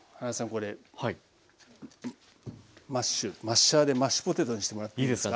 マッシュマッシャーでマッシュポテトにしてもらっていいですか。